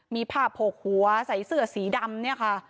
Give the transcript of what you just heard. มีภาพโผกหัวใส่เสื้อสีดำเนี่ยค่ะ